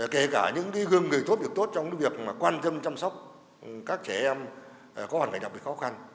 kể cả những gương người tốt việc tốt trong việc quan tâm chăm sóc các trẻ em có hành động khó khăn